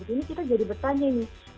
ini kita jadi bertanya nih